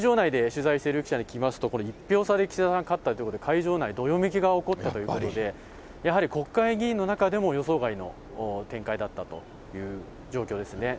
これ会場内で取材している、聞きますと岸田さん勝ったということで、会場内どよめきが起こったということで、やはり国会議員の中でも予想外の展開だったという状況ですね。